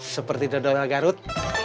seperti dadah garut